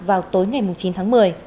vào tối ngày chín tháng một mươi